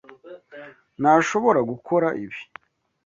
Ntashobora gukora ibi.